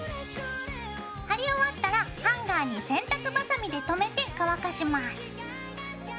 貼り終わったらハンガーに洗濯バサミで留めて乾かします。